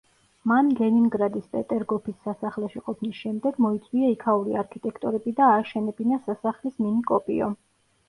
მან ლენინგრადის პეტერგოფის სასახლეში ყოფნის შემდეგ მოიწვია იქაური არქიტექტორები და ააშენებინა სასახლის მინი კოპიო.